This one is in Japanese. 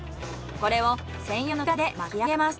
これを専用の機械で巻き上げます。